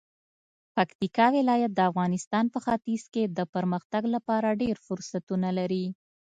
پکتیکا ولایت د افغانستان په ختیځ کې د پرمختګ لپاره ډیر فرصتونه لري.